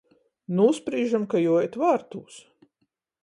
Nūsprīžam, ka juoīt vārtūs.